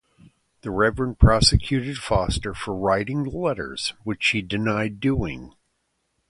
The Reverend prosecuted Foster for writing the letters, which she denied doing.